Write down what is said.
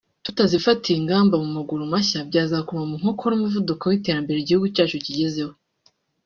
tutazifatiye ingamba mu maguru mashya byazakoma mu nkokora umuvuduko w’iterambere igihugu cyacu kigezeho